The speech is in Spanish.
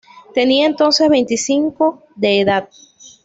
Tenía entonces veinticinco de edad.